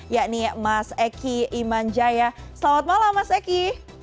yakni mas eki imanjaya selamat malam mas eki